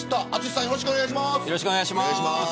淳さん、よろしくお願いします。